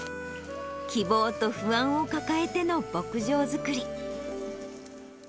希望と不安を抱えての牧場作り。